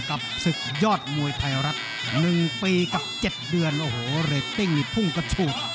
กับศึกยอดมวยไทยรัฐ๑ปีกับ๗เดือนโอ้โหเรตติ้งนี่พุ่งกระฉูก